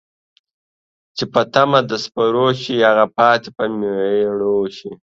چې په تمه د سپرو شي ، هغه پاتې په میرو ښی